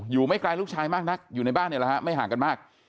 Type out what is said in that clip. ไม่ไกลลูกชายมากนักอยู่ในบ้านเนี่ยแหละฮะไม่ห่างกันมาก